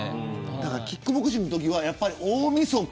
キックボクシングのときは大みそか。